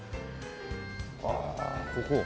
ああここ？